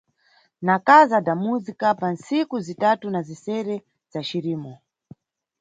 Na Casa da Música pa ntsiku zitatu na zisere za Cirimo.